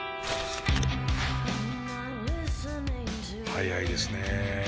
速いですね。